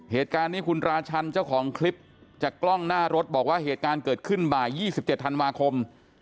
เหตุการณ์นี้คุณราชันเจ้าของคลิปจากกล้องหน้ารถบอกว่าเหตุการณ์เกิดขึ้นบ่าย๒๗ธันวาคม